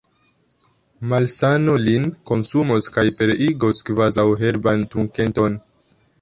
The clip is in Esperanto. malsano lin konsumos kaj pereigos, kvazaŭ herban trunketon!